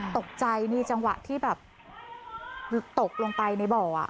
ตกใจนี่จังหวะที่แบบคือตกลงไปในบ่อ